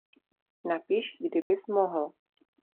Napiš, kdy bys mohl.